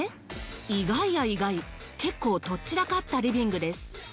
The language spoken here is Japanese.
意外や意外結構とっ散らかったリビングです。